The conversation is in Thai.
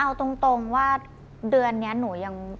เอาตรงว่าเดือนนี้หนูยัง